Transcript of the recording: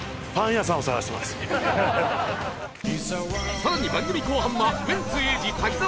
さらに番組後半はウエンツ瑛士滝沢